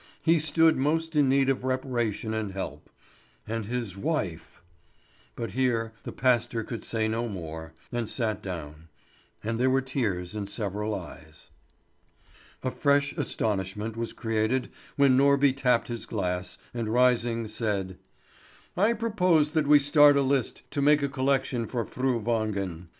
He stood most in need of reparation and help. And his wife ; but here the pastor could say no more, and sat down; and there were tears in several eyes. A fresh astonishment was created when Norby tapped his glass, and rising said: "I propose that we start a list to make a collection for Fru Wangen.